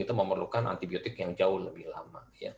itu memerlukan antibiotik yang jauh lebih lama